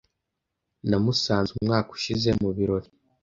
Namusanze umwaka ushize mubirori.